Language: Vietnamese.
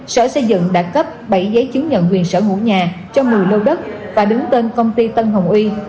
sở xây dựng đã cấp bảy giấy chứng nhận quyền sở hữu nhà cho một mươi lô đất và đứng tên công ty tân hồng uy